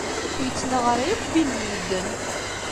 Ur yettnaɣ ara akk Bill d medden.